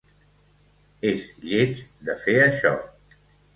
És lleig, de fer això.